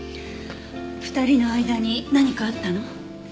２人の間に何かあったの？